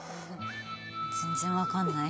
全然分かんない。